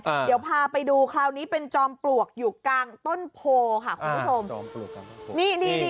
เดี๋ยวพาไปดูคราวนี้เป็นจอมปลวกอยู่กลางต้นโพลค่ะคุณผู้ชม